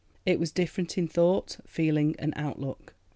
It was different in thought, feeling, and outlook.